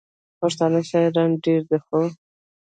پښتانه شاعران ډېر دي، خو: